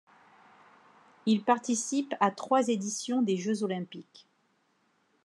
Il participe à trois éditions des Jeux olympiques.